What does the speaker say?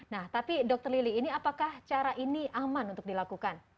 nah tapi dokter lili ini apakah cara ini aman untuk dilakukan